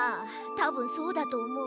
たぶんそうだとおもう。